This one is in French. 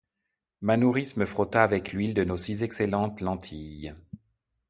Ma nourrice me frotta avec l'huile de nos si excellentes lentilles.